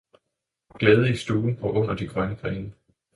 Glæde i stuen og under de grønne grene!